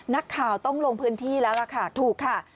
นักข่าวต้องลงพื้นที่แล้วล่ะค่ะถูกค่ะ